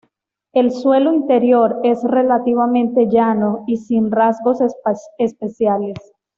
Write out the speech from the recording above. El suelo interior es relativamente llano y sin rasgos especiales.